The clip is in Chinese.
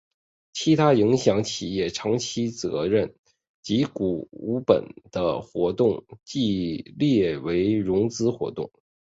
其他影响企业长期负债及股本的活动亦列为融资活动。